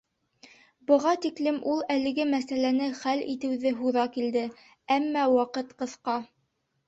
Быға тиклем ул әлеге мәсьәләне хәл итеүҙе һуҙа килде, әммә ваҡыт ҡыҫа.